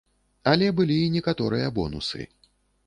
Але былі і некаторыя бонусы.